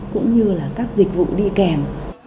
cũng như là các dịch vụ đi kèm